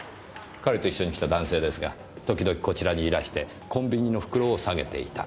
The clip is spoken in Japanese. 彼と一緒に来た男性ですが時々こちらにいらしてコンビニの袋を下げていた。